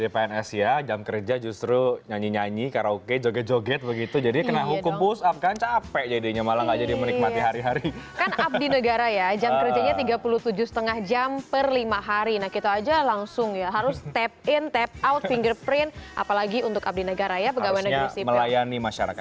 penggemar pns kabupaten bangka selatan